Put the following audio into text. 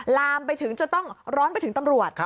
ลามไปถึงจะต้องร้อนไปถึงตำรวจ